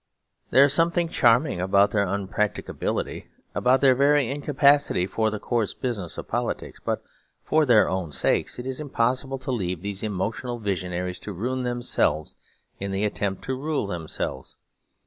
There is something charming about their unpracticability, about their very incapacity for the coarse business of politics. But for their own sakes it is impossible to leave these emotional visionaries to ruin themselves in the attempt to rule themselves.